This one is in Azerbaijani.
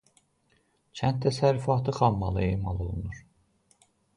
Kənd təsərrüfatı xammalı emal olunur.